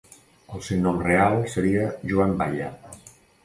El seu nom real seria Joan Batlle.